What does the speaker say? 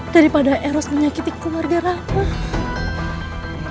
daripada eros menyakiti keluarga rapuh